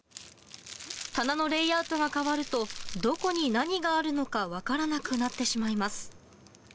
棚のレイアウトが変わるとどこに何があるのか分からなくなってしまいます。